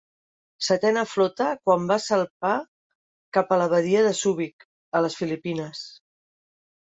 Setena Flota quan va salpar cap a la Badia de Súbic, a les Filipines.